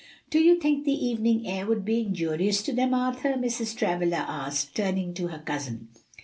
"Do you think the evening air would be injurious to them, Arthur?" Mrs. Travilla asked, turning to her cousin.